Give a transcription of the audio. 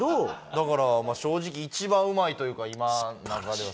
だからまあ正直一番うまいというか今の中では。